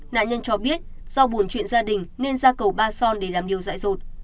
nạn nhân cho biết do buồn chuyện gia đình nên ra cầu ba son để làm điều dại dột